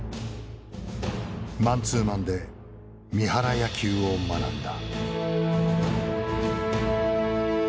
マンツーマンで三原野球を学んだ。